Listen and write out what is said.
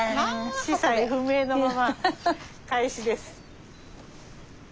子細不明なまま開始です。